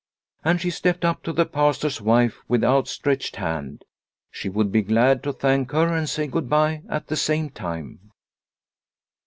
And she stepped up to the Pastor's wife with outstretched hand. She would be glad to thank her and say good bye at the same time.